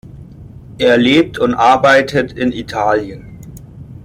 Er lebt und arbeitet in Italien.